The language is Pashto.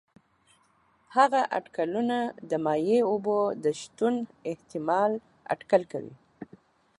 هغه اټکلونه د مایع اوبو د شتون احتمال اټکل کوي.